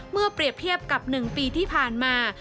เปรียบเทียบกับ๑ปีที่ผ่านมา